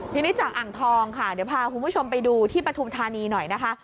ทีนี้จากอ่างทองค่ะเดี๋ยวพาคุณผู้ชมไปดูที่ปฐุมธานีหน่อยนะคะ